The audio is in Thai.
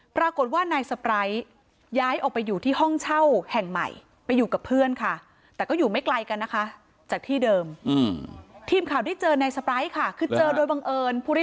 ปรากฏว่านายสะไปร้ายย้ายออกไปอยู่ที่ห้องเช่าแห่งใหม่ไปอยู่กับเพื่อนค่ะแต่ก็อยู่ไม่ไกลกันนะคะจากที่เดิมทีมข่าวที่เจอนายสะไปร้ายค่ะคือเจอโดยบังเอิญ